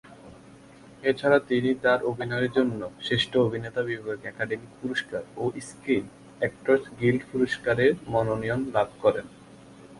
এছাড়া তিনি তার অভিনয়ের জন্য শ্রেষ্ঠ অভিনেতা বিভাগে একাডেমি পুরস্কার ও স্ক্রিন অ্যাক্টরস গিল্ড পুরস্কারের মনোনয়ন লাভ করেন।